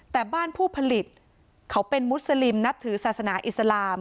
แต่บ้านผู้ผลิตเขาเป็นมุสลิมนับถือศาสนาอิสลาม